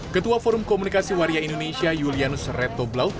ketua forum komunikasi waria indonesia julianus reto blau